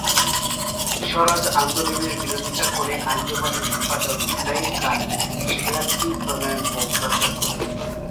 স্বরাজ আন্দোলনের বিরোধিতা করে আঞ্জুমানের সম্পাদক ইবরাহিম খান ইশতেহারটি প্রণয়ন ও প্রচার করেন।